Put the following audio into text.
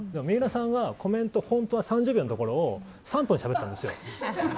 三浦さんはコメントが本当は３０秒のところを３分しゃべったんですよ。